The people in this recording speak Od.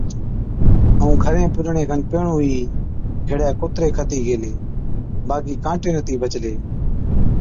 ائُون گھرين پُجڻي کن پيهڻُون ئِي هيڙَي ڪُتري کتِي گيلي، باقِي ڪانٽي نَتِي بَچلي۔